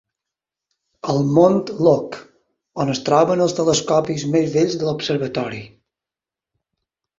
El mont Locke, on es troben els telescopis més vells de l'observatori.